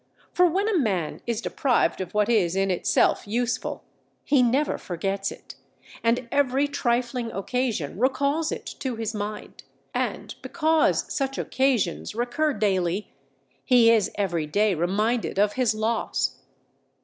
For when a man is deprived of what is in itself useful, he never forgets it, and every trifling occasion recalls it to his mind; and because such occasions recur daily, he is every day reminded of his loss.